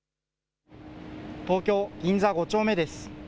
東京銀座５丁目です。